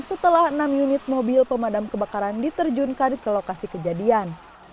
setelah enam unit mobil pemadam kebakaran diterjunkan ke lokasi kejadian